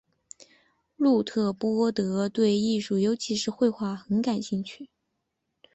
路特波德对艺术尤其是绘画很感兴趣。